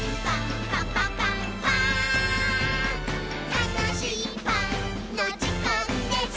「たのしいパンのじかんです！」